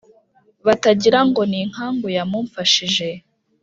batagira ngo ni inkangu yamumfashije.